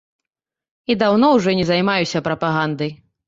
І даўно ўжо не займаюся прапагандай.